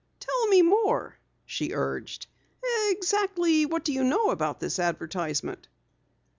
"Tell me more," she urged. "Exactly what do you know about this advertisement?"